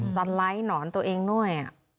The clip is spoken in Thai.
สไลด์หนอนตัวเองด้วย